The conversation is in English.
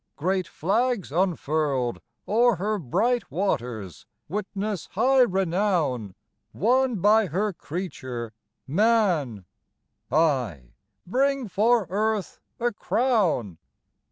Great flags unfurled O'er her bright waters witness high renown Won by her creature, Man; aye, bring for Earth a crown!